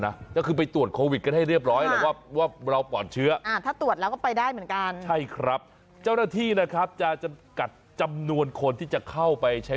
ฮ่าฮ่าฮ่าฮ่าฮ่าฮ่าฮ่าฮ่าฮ่าฮ่าฮ่าฮ่าฮ่าฮ่าฮ่า